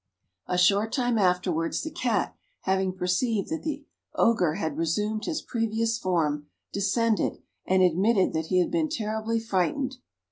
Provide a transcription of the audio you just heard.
A short time afterwards, the Cat having perceived that the Ogre had resumed his previous form, descended, and admitted that he had been terribly frightened.